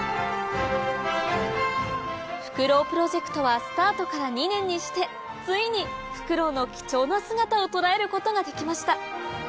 フクロウプロジェクトはスタートから２年にしてついにフクロウの貴重な姿を捉えることができました